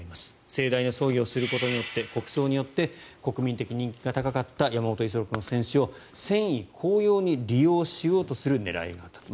盛大な葬儀をすることで国葬によって国民的人気が高かった山本五十六の戦死を戦意高揚に利用しようとする狙いがあったと。